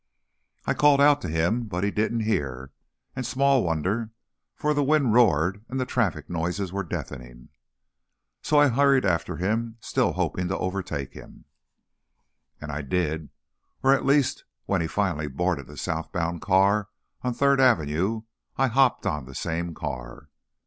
I called out to him, but he didn't hear, and small wonder, for the wind roared and the traffic noises were deafening. So I hurried after him, still hoping to overtake him. And I did, or, at least, when he finally boarded a Southbound car on Third Avenue, I hopped on the same car.